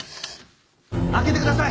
開けてください！